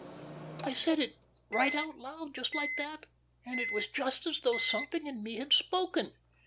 I said it right out loud just like that, and it was just as though something in me had spoken.